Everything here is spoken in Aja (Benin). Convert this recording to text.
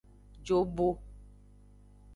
Jobo.